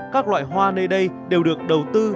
các loại hoa nơi đây đều được đầu tư